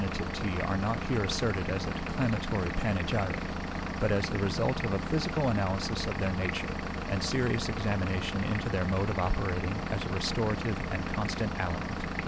The above virtues of the sanative tea are not here asserted as a declamatory panegyric, but as the result of a physical analysis of their nature, and a serious examination into their mode of operating as a restorative and constant aliment.